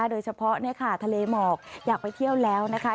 โดยเฉพาะทะเลหมอกอยากไปเที่ยวแล้วนะคะ